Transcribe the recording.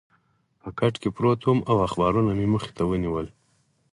په کټ کې پروت وم او اخبارونه مې مخې ته ونیول.